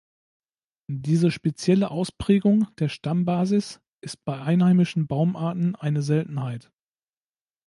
Diese spezielle Ausprägung der Stammbasis ist bei einheimischen Baumarten eine Seltenheit.